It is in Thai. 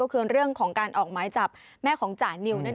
ก็คือเรื่องของการออกหมายจับแม่ของจานิวนั่นเอง